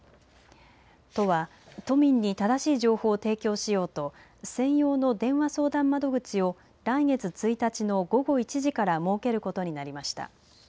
都は都民に正しい情報を提供しようと専用の電話相談窓口を来月１日の午後１時から設けることになりました。